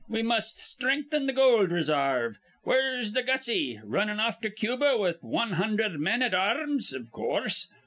We must strengthen th' gold resarve. Where's th' Gussie? Runnin' off to Cuba with wan hundherd men an' ar rms, iv coorse.